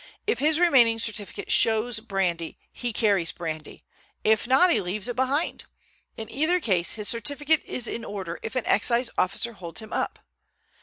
If his remaining certificate shows brandy he carries brandy, if not, he leaves it behind. In either case his certificate is in order if an Excise officer holds him up.